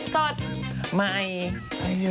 สดใหม่ให้เยอะ